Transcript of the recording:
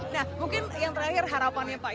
nah mungkin yang terakhir harapannya pak